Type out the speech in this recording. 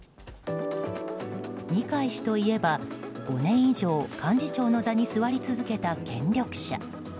二階氏といえば５年以上幹事長の座に座り続けた権力者。